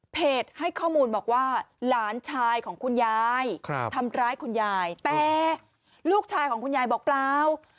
ให้ข้อมูลบอกว่าหลานชายของคุณยายทำร้ายคุณยายแต่ลูกชายของคุณยายบอกเปล่า